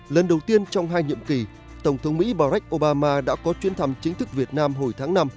lần đầu tiên trong hai nhiệm kỳ tổng thống mỹ barack obama đã có chuyến thăm chính thức việt nam hồi tháng năm